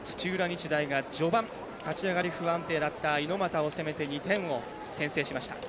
日大が序盤立ち上がり不安定だった猪俣を攻めて２点を先制しました。